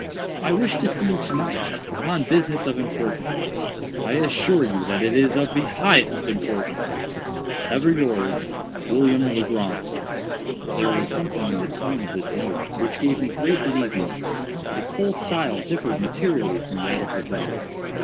I wish to see you to night, upon business of importance. I assure you that it is of the highest importance. "Ever yours, "WILLIAM LEGRAND". There was something in the tone of this note which gave me great uneasiness. Its whole style differed materially from that of Legrand.